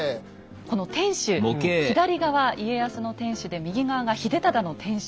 この天守左側家康の天守で右側が秀忠の天守。